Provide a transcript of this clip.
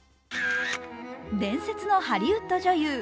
伝説のハリウッド女優